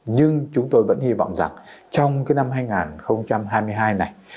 nhưng chúng tôi vẫn hy vọng rằng trong cái năm hai nghìn hai mươi hai này